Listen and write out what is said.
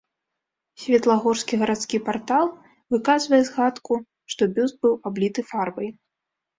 Светлагорскі гарадскі партал выказвае згадку, што бюст быў абліты фарбай.